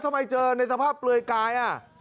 ทำไมเจอในสภาพเปลยกาย